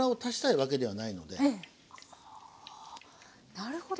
なるほど。